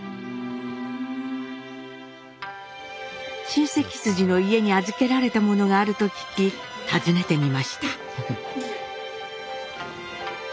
親戚筋の家に預けられたものがあると聞き訪ねてみました。